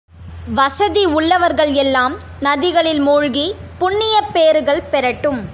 வசதி உள்ளவர்கள் எல்லாம் நதிகளில் மூழ்கி, புண்ணியப் பேறுகள் பெறட்டும்.